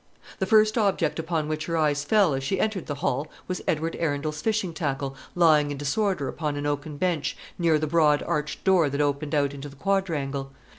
The first object upon which her eyes fell as she entered the hall was Edward Arundel's fishing tackle lying in disorder upon an oaken bench near the broad arched door that opened out into the quadrangle.